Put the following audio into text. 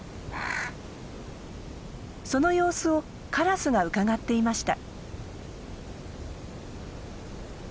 その様子をカラスがうかがっていました。